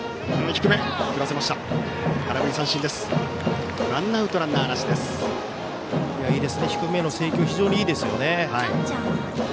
低めへの制球非常にいいですね。